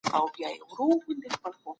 چاپېريال پر ذهن اغېز لري.